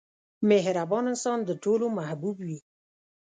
• مهربان انسان د ټولو محبوب وي.